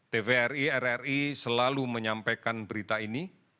tvri rri selalu menyampaikan berita ini